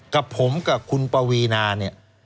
กับผมกับคุณปวีนาเนี่ย